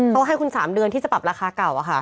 เขาให้คุณ๓เดือนที่จะปรับราคาเก่า